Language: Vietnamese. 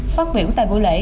phát biểu tại buổi lễ